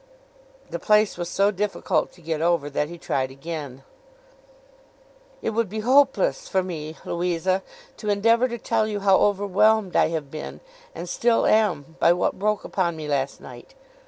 The place was so difficult to get over, that he tried again. 'It would be hopeless for me, Louisa, to endeavour to tell you how overwhelmed I have been, and still am, by what broke upon me last night.